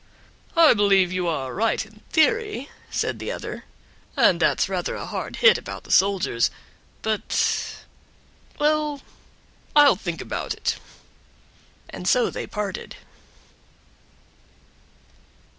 "I believe you are right in theory," said the other, "and that's rather a hard hit about the soldiers; but well I'll think about it," and so they parted.